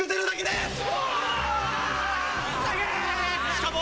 しかも。